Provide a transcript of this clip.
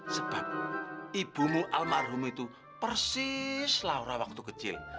sebab ibumu almarhum itu persis laura waktu kecil